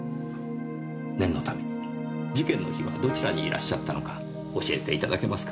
念のために事件の日はどちらにいらっしゃったのか教えていただけますか。